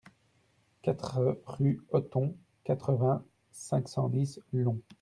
quatre rue Hotton, quatre-vingts, cinq cent dix, Long